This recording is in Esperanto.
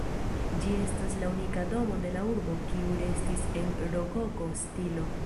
Ĝi estas la unika domo de la urbo kiu restis en rokoko stilo.